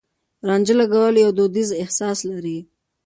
رانجه لګول يو دوديز احساس لري.